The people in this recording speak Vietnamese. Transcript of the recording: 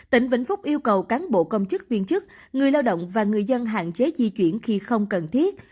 tỉnh vĩnh phúc yêu cầu cán bộ công chức viên chức người lao động và người dân hạn chế di chuyển khi không cần thiết